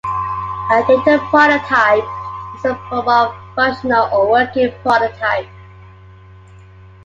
A "data prototype" is a form of "functional "or "working" prototype.